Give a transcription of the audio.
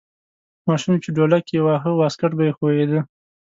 ماشوم چې ډولک یې واهه واسکټ به یې ښویده.